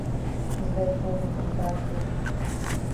¿A dea jobe kanbakud?